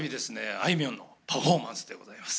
あいみょんのパフォーマンスでございます。